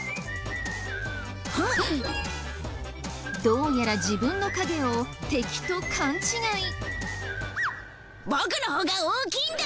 どうやら自分の影を敵と勘違い。